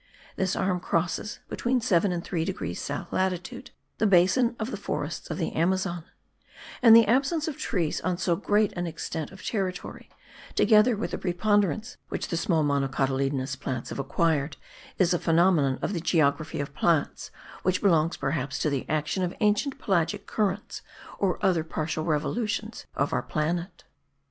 This arm crosses, between 7 and 3 degrees south latitude, the basin of the forests of the Amazon; and the absence of trees on so great an extent of territory, together with the preponderance which the small monocotyledonous plants have acquired, is a phenomenon of the geography of plants which belongs perhaps to the action of ancient pelagic currents or other partial revolutions of our planet.